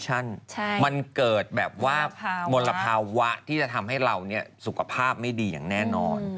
ใช่มันเกิดแบบว่ามลภาวะที่จะทำให้เราสุขภาพไม่ดีอย่างแน่นอน